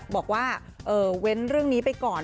บอกว่าเว้นเรื่องนี้ไปก่อน